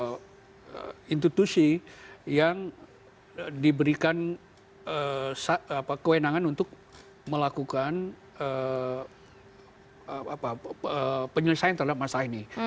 ada institusi yang diberikan kewenangan untuk melakukan penyelesaian terhadap masalah ini